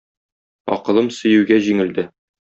Акылым сөюгә җиңелде.